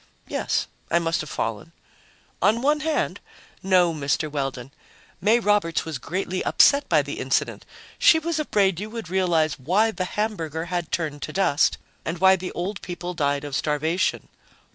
"Yes. I must have fallen." "On one hand? No, Mr. Weldon. May Roberts was greatly upset by the incident; she was afraid you would realize why the hamburger had turned to dust and why the old people died of starvation.